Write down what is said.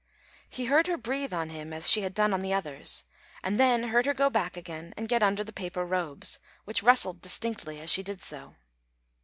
He heard her breathe on him as she had done on the others, and then heard her go back again and get under the paper robes, which rustled distinctly as she did so.